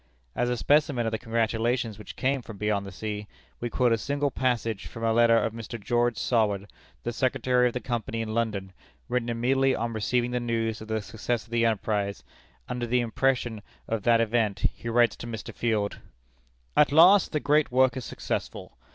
As a specimen of the congratulations which came from beyond the sea, we quote a single passage from a letter of Mr. George Saward, the Secretary of the Company in London, written immediately on receiving the news of the success of the enterprise. Under the impression of that event, he writes to Mr. Field: "At last the great work is successful.